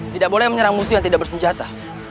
tidak boleh menyerang musuh yang tidak bersenjata